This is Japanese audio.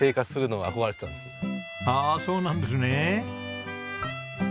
ああそうなんですね。